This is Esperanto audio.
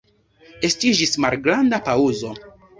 Estiĝis malgranda paŭzo.